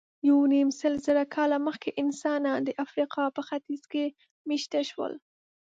یونیمسلزره کاله مخکې انسانان د افریقا په ختیځ کې مېشته شول.